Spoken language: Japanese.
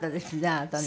あなたね。